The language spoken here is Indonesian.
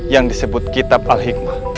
yang disebut kitab al hikmah